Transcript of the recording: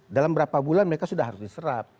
dalam berapa bulan mereka sudah harus diserap